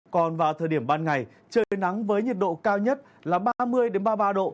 còn vào thời điểm ban ngày trời nắng với nhiệt độ cao nhất là ba mươi ba mươi ba độ